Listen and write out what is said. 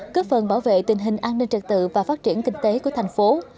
cấp phần bảo vệ tình hình an ninh trật tự và phát triển kinh tế của thành phố